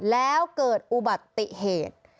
แล้วเกิดอุบัติเหตุ